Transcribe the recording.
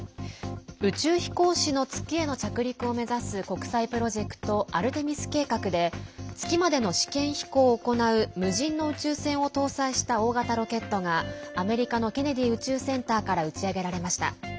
宇宙飛行士の月への着陸を目指す国際プロジェクトアルテミス計画で月までの試験飛行を行う無人の宇宙船を搭載した大型ロケットが、アメリカのケネディ宇宙センターから打ち上げられました。